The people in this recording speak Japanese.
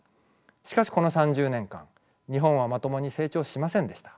しかしこの３０年間日本はまともに成長しませんでした。